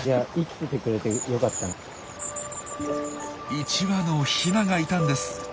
１羽のヒナがいたんです！